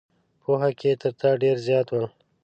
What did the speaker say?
پوهه کې تر تا ډېر زیات ول.